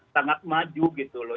sangat maju gitu loh